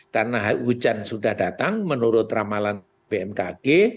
karena hujan sudah datang menurut ramalan bmkg